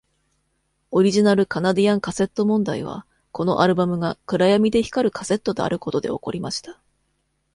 オリジナルカナディアンカセット問題はこのアルバムが暗闇で光るカセットであることで起こりました。